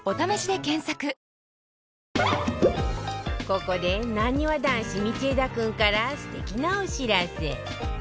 ここでなにわ男子道枝君から素敵なお知らせ